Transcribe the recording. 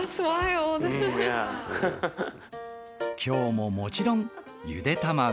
今日ももちろんゆで卵。